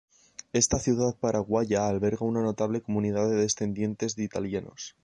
Esta ciudad paraguaya alberga una notable comunidad de descendientes de italianos.